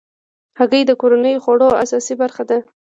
هګۍ د کورنیو خوړو اساسي برخه ده.